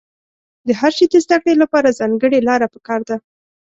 د هر شي د زده کړې له پاره ځانګړې لاره په کار ده.